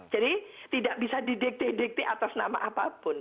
jadi tidak bisa didek dek dek atas nama apapun